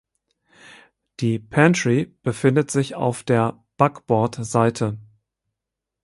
Die Pantry befindet sich auf der Backbord Seite.